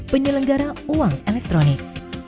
penyelenggara uang elektronik